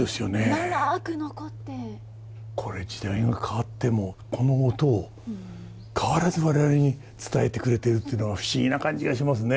これ時代が変わってもこの音を変わらず我々に伝えてくれているっていうのは不思議な感じがしますね。